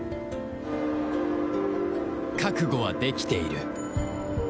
覚悟はできている